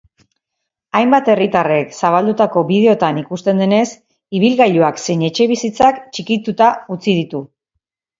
Hainbat herritarrek zabaldutako bideoetan ikusten denez, ibilgailuak zein etxebizitzak txikituta utzi ditu.